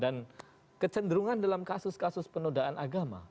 dan kecenderungan dalam kasus kasus penundaan agama